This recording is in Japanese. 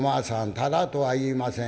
ただとは言いません。